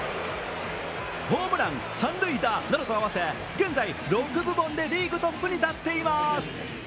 ホームラン、三塁打などと合わせ現在、６部門でリーグトップに立っています。